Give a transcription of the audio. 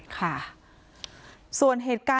ค่ะส่วนเหตุการณ์